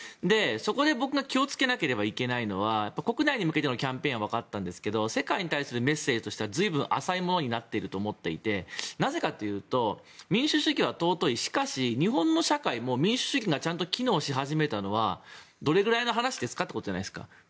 そこで、僕が気を付けなければいけないと思うのは国内に向けてのキャンペーンは分かったんですが世界に対するメッセージとしてはずいぶん浅いものになっていると思っていてなぜかというと民主主義は尊いしかし日本の社会も民主主義がちゃんと機能し始めたのはどれくらいの話ですかということじゃないですか。